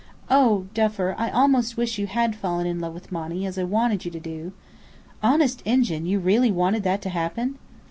Oh, Duffer, I almost wish you had fallen in love with Monny as I wanted you to do ' "Honest Injun, you really wanted that to happen?"